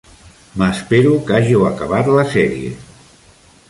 M'espero que hàgiu acabat la sèrie.